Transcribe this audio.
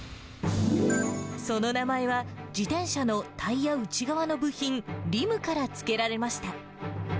その名前は、自転車のタイヤ内側の部品、リムから付けられました。